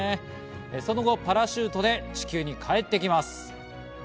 その後パラシュートで地球に帰ってきます。